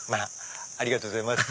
ありがとうございます。